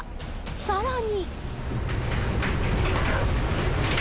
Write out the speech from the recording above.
さらに。